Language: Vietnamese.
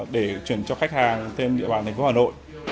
để chuyển cho khách hàng trên địa bàn thành phố hà nội